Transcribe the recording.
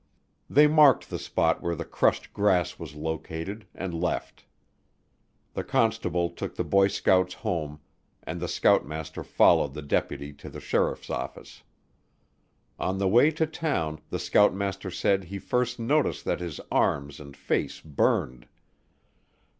They marked the spot where the crushed grass was located and left. The constable took the boy scouts home and the scoutmaster followed the deputy to the sheriff's office. On the way to town the scoutmaster said he first noticed that his arms and face burned.